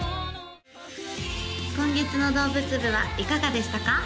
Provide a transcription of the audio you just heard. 今月の動物部はいかがでしたか？